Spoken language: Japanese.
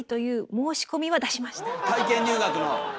体験入学の！